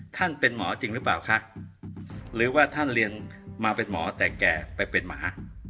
ท่านเป็นหมอจริงหรือเปล่าคะหรือว่าท่านเรียนมาเป็นหมอแต่แก่ไปเป็นหมา